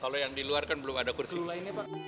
kalau yang diluar kan belum ada kursi